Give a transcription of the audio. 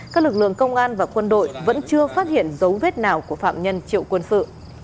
các lực lượng công an và quân đội vẫn chưa phát hiện dấu vết nào của phạm nhân triệu quân sự